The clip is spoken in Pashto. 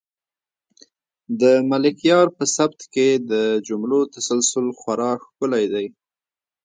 د ملکیار په سبک کې د جملو تسلسل خورا ښکلی دی.